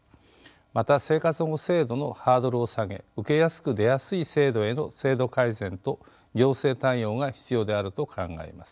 また生活保護制度のハードルを下げ受けやすく出やすい制度への制度改善と行政対応が必要であると考えます。